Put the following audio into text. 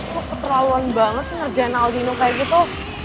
kok keterlaluan banget sih ngerjain aldino kayak gitu